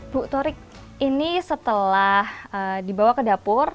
bu torik ini setelah dibawa ke dapur